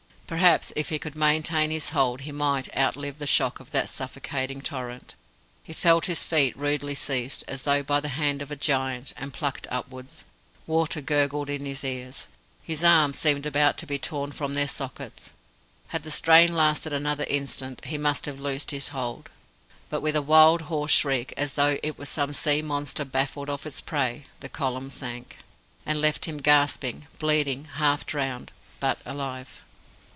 Perhaps if he could maintain his hold he might outlive the shock of that suffocating torrent. He felt his feet rudely seized, as though by the hand of a giant, and plucked upwards. Water gurgled in his ears. His arms seemed about to be torn from their sockets. Had the strain lasted another instant, he must have loosed his hold; but, with a wild hoarse shriek, as though it was some sea monster baffled of its prey, the column sank, and left him gasping, bleeding, half drowned, but alive.